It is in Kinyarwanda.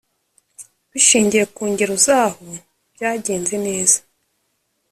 bishingiye ku ngero z'aho byagenze neza.